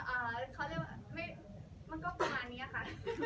มันก็ประมาณเนี่ยค่ะ